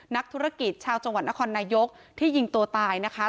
นักธุรกิจชาวจังหวัดนครนายกที่ยิงตัวตายนะคะ